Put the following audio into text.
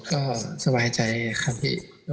ก็สบายใจครับพี่